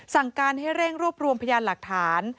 สั่งการให้เร่งรวบรวมพยานหลักฐาน